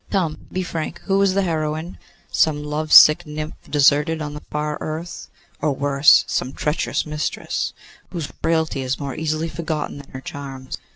Come! be frank, who is the heroine? Some love sick nymph deserted on the far earth; or worse, some treacherous mistress, whose frailty is more easily forgotten than her charms?